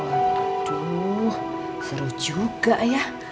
aduh seru juga ya